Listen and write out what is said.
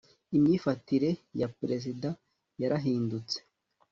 imyifatire ya perezida yarahindutse